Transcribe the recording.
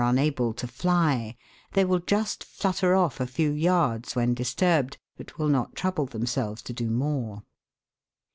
unable to fly, they will just flutter off a few yards when disturbed, but will not trouble themselves to do more.